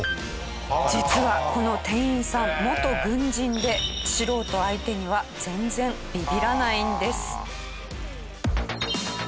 実はこの店員さん元軍人で素人相手には全然ビビらないんです。